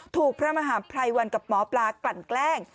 พระมหาภัยวันกับหมอปลากลั่นแกล้ง